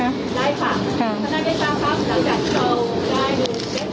นายฝากคุณคุณหน้าเมษตราครับหลังจากที่เราได้ดูด้วยความผลตลาดที่เจ๋ง